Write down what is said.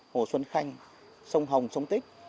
hồ xuân khanh sông hồng sông tích